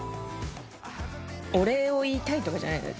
お礼を言いたいとかじゃないんだ。